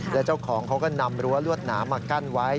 แล้วเจ้าของเขาก็นำรั้วลวดหนามมากั้นไว้